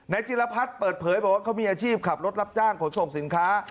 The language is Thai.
จิลพัฒน์เปิดเผยบอกว่าเขามีอาชีพขับรถรับจ้างขนส่งสินค้า